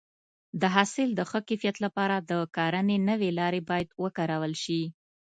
د حاصل د ښه کیفیت لپاره د کرنې نوې لارې باید وکارول شي.